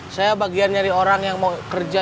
saya bagian dari orang yang mau kerja